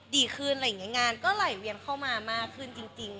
ดีขึ้นงานก็ไหลเวียนเข้ามามากขึ้นจริง